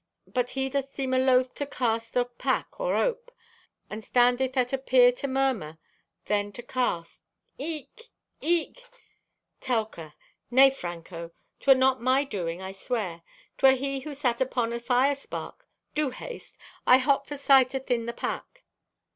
But he doth seem aloth to cast of pack or ope, and standeth at apeer to murmur—then to cast." "E e e k! E e e k!" (Telka) "Nay, Franco, 'twere not my doing, I swear. 'Twere he who sat upon a fire spark. Do haste! I hot for sight athin the pack."